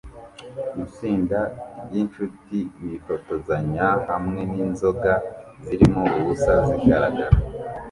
Itsinda ryinshuti bifotozanya hamwe ninzoga zirimo ubusa zigaragara